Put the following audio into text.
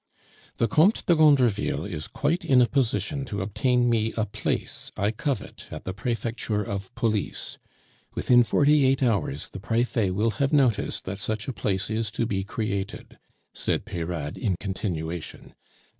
"The Comte de Gondreville is quite in a position to obtain me a place I covet at the Prefecture of Police; within forty eight hours the prefet will have notice that such a place is to be created," said Peyrade in continuation.